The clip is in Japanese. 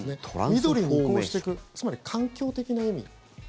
緑に移行していくつまり環境的な意味。